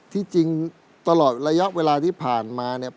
ที่จริงตลอดระยะเวลาที่ผ่านมาเนี่ย